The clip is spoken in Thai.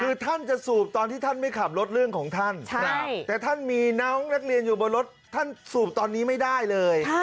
คือท่านจะสูบตอนที่ท่านไม่ขับรถเรื่องของท่านแต่ท่านมีน้องนักเรียนอยู่บนรถท่านสูบตอนนี้ไม่ได้เลย